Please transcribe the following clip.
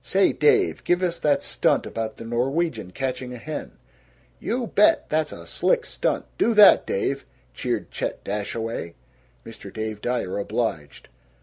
"Say, Dave, give us that stunt about the Norwegian catching a hen." "You bet; that's a slick stunt; do that, Dave!" cheered Chet Dashaway. Mr. Dave Dyer obliged.